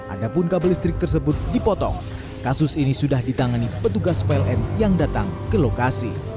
adapun kabel listrik tersebut dipotong kasus ini sudah ditangani petugas pln yang datang ke lokasi